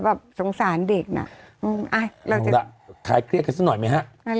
แบบสงสารเด็กน่ะอืมไอขายเครียดกันสักหน่อยมั้ยฮะ